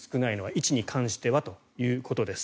位置に関してはということです。